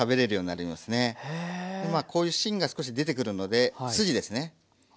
まあこういう芯が少し出てくるので筋ですね